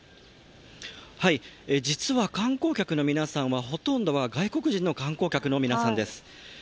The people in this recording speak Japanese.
実は観光客の皆さんは、ほとんどは外国人の観光客の皆さんです。